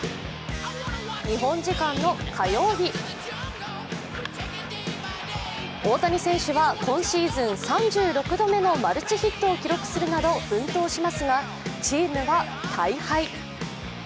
日本時間の火曜日、大谷選手は今シーズン３６度目のマルチヒットを記録するなど奮闘しますが、チームは大敗。